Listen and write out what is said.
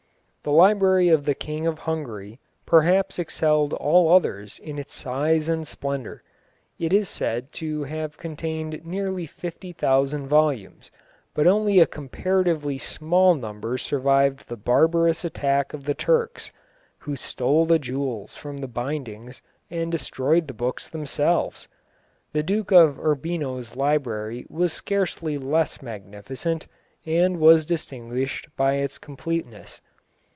The library of the King of Hungary perhaps excelled all others in its size and splendour. It is said to have contained nearly fifty thousand volumes, but only a comparatively small number survived the barbarous attack of the Turks, who stole the jewels from the bindings and destroyed the books themselves. The Duke of Urbino's library was scarcely less magnificent, and was distinguished by its completeness.